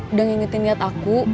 udah ngingetin lihat aku